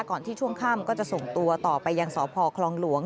ก่อนที่ช่วงค่ำก็จะส่งตัวต่อไปยังสพคลองหลวง